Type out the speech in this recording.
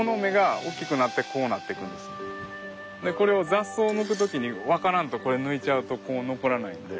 これを雑草抜く時に分からんとこれ抜いちゃうとこう残らないんで。